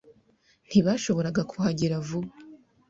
Ntibashoboraga kuhagera vuba.